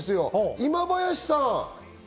今林さん。